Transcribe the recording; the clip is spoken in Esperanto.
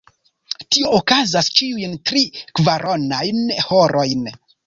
Tio okazas ĉiujn tri-kvaronajn horojn.